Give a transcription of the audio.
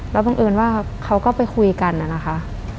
และบังอื่นเขาก็ไปคุยกันนี่นะคะ